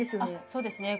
そうですね。